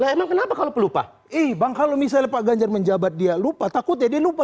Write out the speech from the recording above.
emang kenapa kalau pelupa ibang kalau misalnya pak ganjar menjabat dia lupa takutnya dia lupa